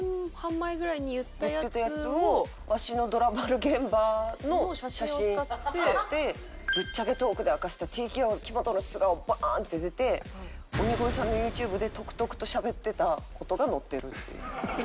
言ってたやつをわしのドラマの現場の写真使って「ぶっちゃけトークで明かしたＴＫＯ木本の素顔」バーンって出て鬼越さんのＹｏｕＴｕｂｅでとくとくとしゃべってた事が載ってるっていう。